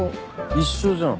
一緒じゃん。